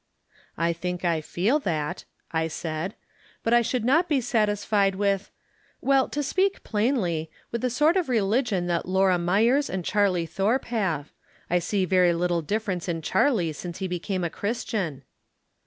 "I think I feel that," I said; "but I should not be satisfied with — ^well, to speak plainly, with the sort of religion that Laura Myers and Char ley Thorpe have. I see very little difference in Charley since he became a Christian."